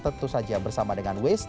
tentu saja bersama dengan waze